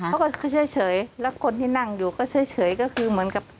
เขาก็คือเฉยแล้วคนที่นั่งอยู่ก็เฉยก็คือเหมือนกับ